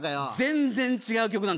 全然違う曲なんですよ。